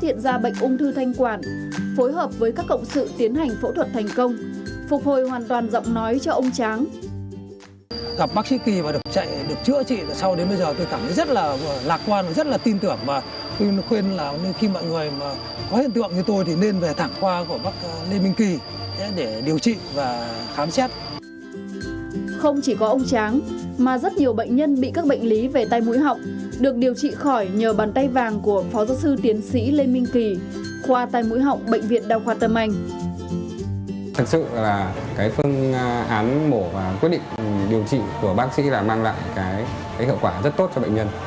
thật sự là cái phương án mổ và quyết định điều trị của bác sĩ là mang lại cái hợp quả rất tốt cho bệnh nhân